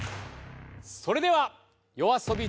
それではＹＯＡＳＯＢＩ